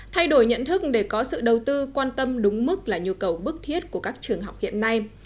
thay đổi nhận thức để có sự đầu tư quan tâm đúng mức là nhu cầu bức thiết của các trường học hiện nay